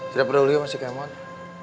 tidak peduli sama si kemode